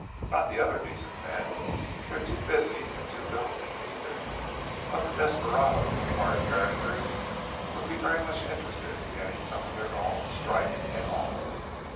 Not the other decent men. They're too busy, and too little interested. But the desperadoes and hard characters would be very much interested in getting some of their own stripe in office.